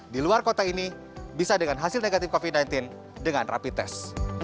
di luar kota ini bisa dengan hasil negatif covid sembilan belas dengan rapi tes